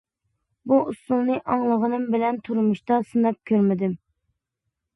بۇ ئۇسۇلنى ئاڭلىغىنىم بىلەن تۇرمۇشتا سىناپ كۆرمىدىم.